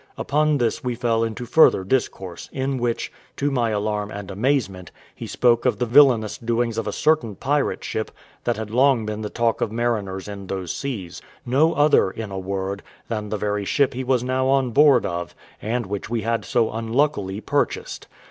Upon this we fell into further discourse, in which, to my alarm and amazement, he spoke of the villainous doings of a certain pirate ship that had long been the talk of mariners in those seas; no other, in a word, than the very ship he was now on board of, and which we had so unluckily purchased.